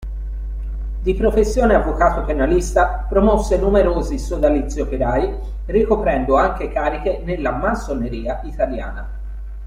Di professione avvocato penalista, promosse numerosi sodalizi operai, ricoprendo anche cariche nella Massoneria italiana.